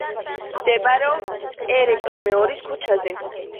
მდებარეობს ერეკლე მეორის ქუჩაზე.